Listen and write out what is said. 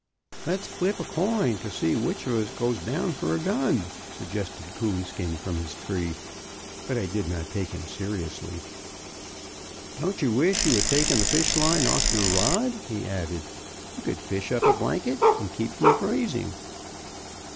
"Let's flip a coin to see which of us goes down for a gun," suggested Coonskin from his tree. But I did not take him seriously. "Don't you wish you had taken the fish line off your rod?" he added; "you could fish up a blanket and keep from freezing."